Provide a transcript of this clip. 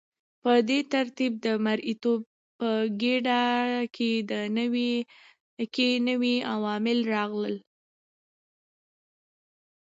په دې ترتیب د مرئیتوب په ګیډه کې نوي عوامل راغلل.